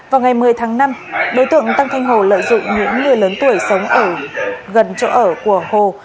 vào ngày một mươi tháng năm đối tượng tăng thanh hồ lợi dụng những người lớn tuổi sống ở gần chỗ ở của hồ